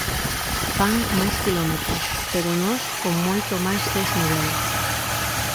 Fan máis quilómetros, pero nós con moito máis desnivel.